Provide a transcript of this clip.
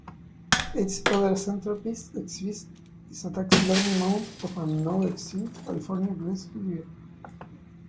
Its other centerpiece exhibit is a taxidermy mount of a now-extinct California Grizzly Bear.